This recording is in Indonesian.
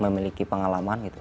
memiliki pengalaman gitu